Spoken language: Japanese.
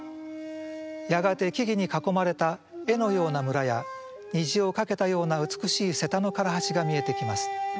やがて木々に囲まれた絵のような村や虹を架けたような美しい瀬田の唐橋が見えてきます。